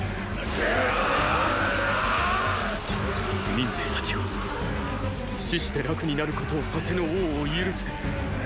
民兵たちよ死して楽になることをさせぬ王を許せ！